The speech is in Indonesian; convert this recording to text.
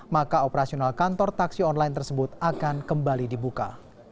maka operasional kantor taksi online tersebut akan kembali dibuka